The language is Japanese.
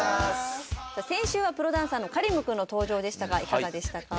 先週はプロダンサーのＫａｒｉｍ君の登場でしたがいかがでしたか？